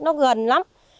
nó gần lắm